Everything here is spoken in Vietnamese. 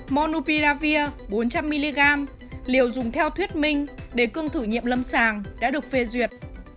monupiravir bốn trăm linh mg liều dùng theo thuyết minh để cương thử nghiệm lâm sàng đã được phê duyệt